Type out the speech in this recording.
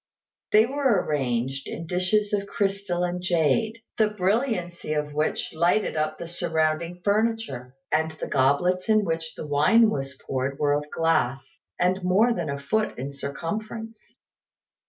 They were arranged in dishes of crystal and jade, the brilliancy of which lighted up the surrounding furniture; and the goblets in which the wine was poured were of glass, and more than a foot in circumference.